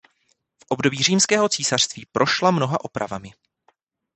V období římského císařství prošla mnoha opravami.